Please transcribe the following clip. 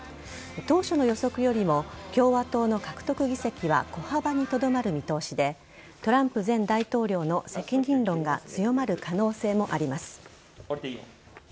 当初の予測よりも共和党の獲得議席は小幅にとどまる見通しでトランプ前大統領の責任論が強まる可能性もあります。